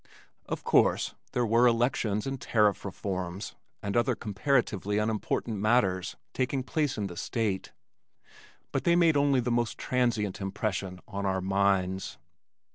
Of course there were elections and tariff reforms and other comparatively unimportant matters taking place in the state but they made only the most transient impression on our minds.